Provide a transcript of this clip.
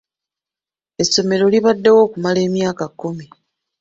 Essomero libaddewo okumala emyaka kkumi.